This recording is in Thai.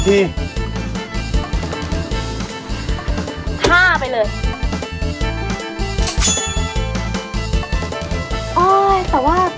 ๕ไปเลย